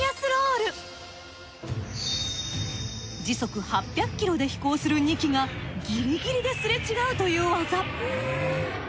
時速８００ｋｍで飛行する２機がギリギリですれ違うという技。